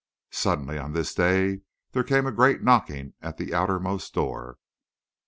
Suddenly, on this day, there came a great knocking at the outermost door.